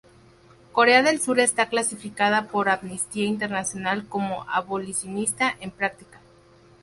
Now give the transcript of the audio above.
Corea del Sur está clasificada por Amnistía Internacional como "abolicionista en práctica".